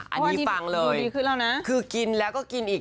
อันนี้ฟังเลยกินแล้วก็กินอีก